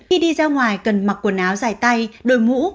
khi đi ra ngoài cần mặc quần áo dài tay đôi mũ